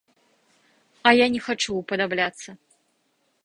А я не хачу ўпадабляцца.